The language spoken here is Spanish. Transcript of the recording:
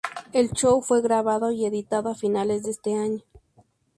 El show fue grabado y editado a finales de ese año.